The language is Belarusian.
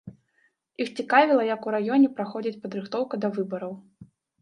Іх цікавіла, як у раёне праходзіць падрыхтоўка да выбараў.